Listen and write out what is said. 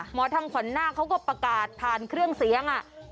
หมอทำขวัญนาคเขาก็ประกาศผ่านเครื่องเสียง